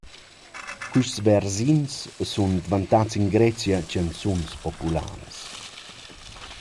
Quists versins sun dvantats in Grecia chanzuns popularas.